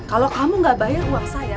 kalau kamu nggak bayar uang saya